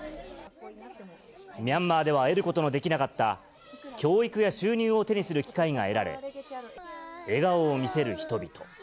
ミャンマーでは得ることのできなかった、教育や収入を手にする機会が得られ、笑顔を見せる人々。